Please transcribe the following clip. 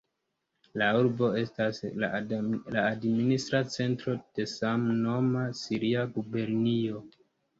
La urbo estas la administra centro de samnoma siria gubernio.